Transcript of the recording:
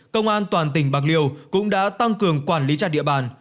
công an toàn tỉnh bạc liêu cũng đã tăng cường quản lý chặt địa bàn